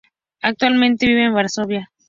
Actualmente vive en Varsovia.